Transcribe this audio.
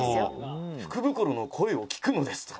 「“福袋の声を聞くのです”と」